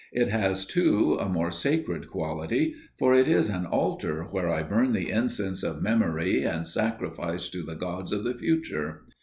It has, too, a more sacred quality, for it is an altar where I burn the incense of memory and sacrifice to the gods of the future.